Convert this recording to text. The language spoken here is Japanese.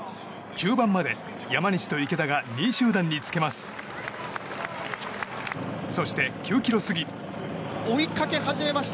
中盤まで山西と池田が２位集団につけます。